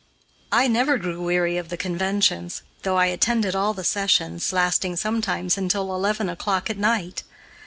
I never grew weary of the conventions, though I attended all the sessions, lasting, sometimes, until eleven o'clock at night.